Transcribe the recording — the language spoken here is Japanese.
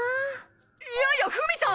いやいやフミちゃん！